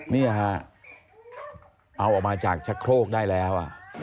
นี่ฮะเอาออกมาจากชะโครกได้แล้ว